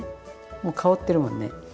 もう香ってるもんね。